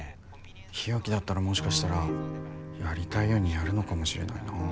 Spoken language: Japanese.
日置だったらもしかしたらやりたいようにやるのかもしれないな。